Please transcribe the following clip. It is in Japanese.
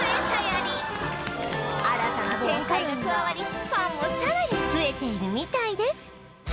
新たな展開が加わりファンもさらに増えているみたいです